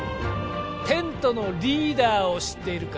テントのリーダーを知っているか？